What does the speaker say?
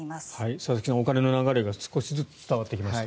佐々木さん、お金の流れが少しずつ伝わってきました。